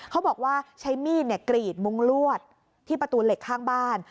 เขาบอกว่าใช้มีดกรีดมุ้งลวดที่ประตูเหล็กข้างบ้าน